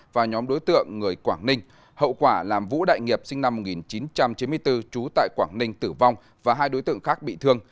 và nhóm đối tượng người quảng ninh hậu quả làm vũ đại nghiệp sinh năm một nghìn chín trăm chín mươi bốn trú tại quảng ninh tử vong và hai đối tượng khác bị thương